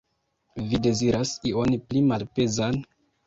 Vi deziras ion pli malpezan?